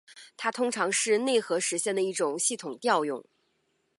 它通常是内核实现的一种系统调用。